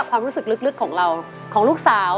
ความรู้สึกลึกของเราของลูกสาว